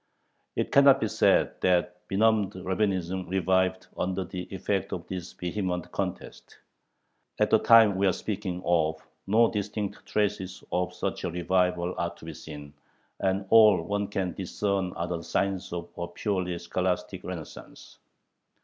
It cannot be said that benumbed Rabbinism revived under the effect of this vehement contest. At the time we are speaking of no distinct traces of such a revival are to be seen, and all one can discern are the signs of a purely scholastic renaissance.